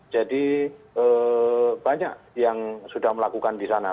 jadi banyak yang sudah melakukan di sana